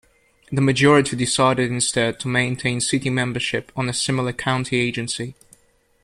The majority decided instead to maintain city membership on a similar county agency.